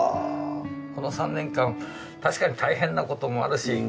この３年間たしかに大変なこともあるし